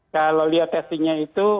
kalau lihat testingnya itu